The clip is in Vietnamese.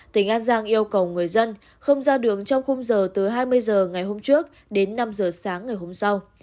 tỉnh an giang yêu cầu người dân không ra đường trong khung giờ từ hai mươi h ngày hôm trước đến năm h sáng ngày hôm sau